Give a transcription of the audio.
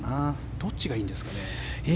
どっちがいいんですかね。